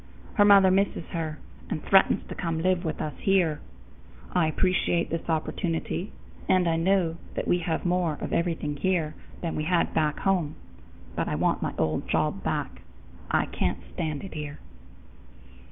Her mother misses her and threatens to come to live with us here. I appreciate this opportunity, and I know that we have more of everything here than we had back home, but I want my old job back. I can't stand it here."